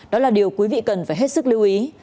đó là điều quý vị cần phải hết sức lưu ý